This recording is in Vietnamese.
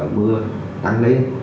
mưa tăng lên